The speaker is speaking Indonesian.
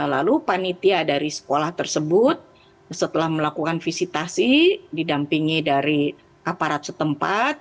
lalu panitia dari sekolah tersebut setelah melakukan visitasi didampingi dari aparat setempat